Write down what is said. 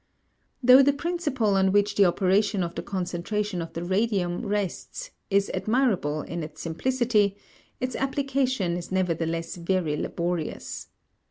Though the principle on which the operation of the concentration of the radium rests is admirable in its simplicity, its application is nevertheless very laborious.